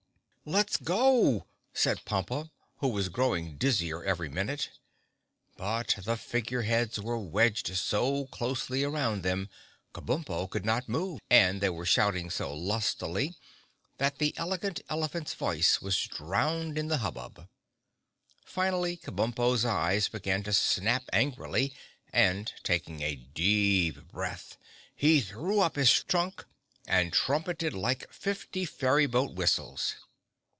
"Let's go!" said Pompa, who was growing dizzier every minute. But the Figure Heads were wedged so closely around them Kabumpo could not move and they were shouting so lustily that the Elegant Elephant's voice was drowned in the hubbub. Finally, Kabumpo's eyes began to snap angrily and, taking a deep breath, he threw up his trunk and trumpeted like fifty ferry boat whistles.